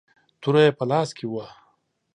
توره يې په لاس کې وه.